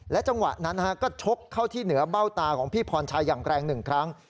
จังหวะนั้นก็ชกเข้าที่เหนือเบ้าตาของพี่พรชัยอย่างแรง๑ครั้ง